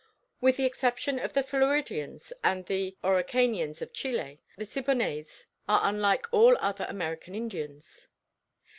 With the exception of the Floridians and the Araucanians of Chile; the Siboneyes are unlike all other American Indians.